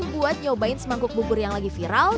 buat nyobain semangkuk bubur yang lagi viral